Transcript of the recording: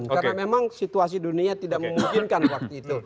karena memang situasi dunia tidak memungkinkan waktu itu